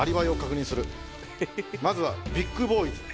まずはビックボーイズ。